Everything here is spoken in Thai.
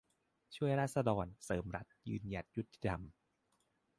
ช่วยราษฎร์ เสริมรัฐ ยืนหยัดยุติธรรม